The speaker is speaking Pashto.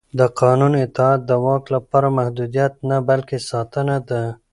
د قانون اطاعت د واک لپاره محدودیت نه بلکې ساتنه ده